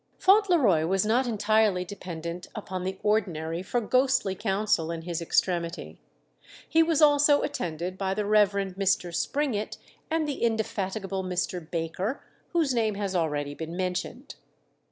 Fauntleroy was not entirely dependent upon the ordinary for ghostly counsel in his extremity. He was also attended by the Rev. Mr. Springett and the indefatigable Mr. Baker, whose name has already been mentioned.